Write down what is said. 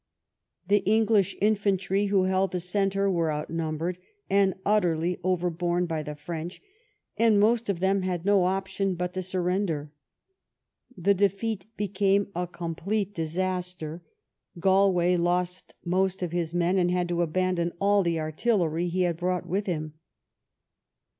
The English infantry, who held the centre, were outnumbered and utterly overborne by the French, and most of them had no option but to surrender. The defeat became a complete disaster, Oalway lost most of his men, and had to abandon all the artillery he had brought with him.